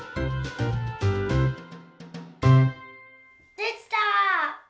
できた！